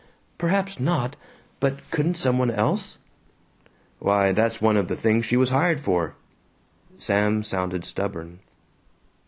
"Perhaps not, but couldn't some one else?" "Why, that's one of the things she was hired for." Sam sounded stubborn.